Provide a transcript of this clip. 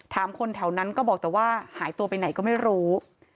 คนแถวนั้นก็บอกแต่ว่าหายตัวไปไหนก็ไม่รู้